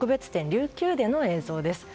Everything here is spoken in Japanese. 琉球での映像です。